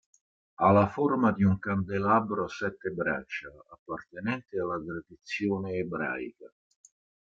Ha la forma di un candelabro a sette braccia, appartenente alla tradizione ebraica.